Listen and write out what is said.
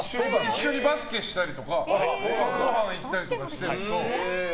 一緒にバスケしたりとかごはん行ったりとかしてて。